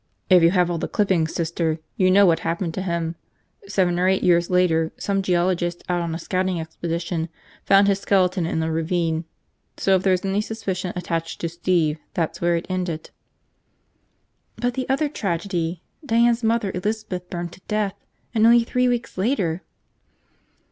"If you have all the clippings, Sister, you know what happened to him. Seven or eight years later, some geologist out on a scouting expedition found his skeleton in a ravine. So if there was any suspicion attached to Steve, that's where it ended." "But the other tragedy – Diane's mother Elizabeth burned to death. And only three weeks later!"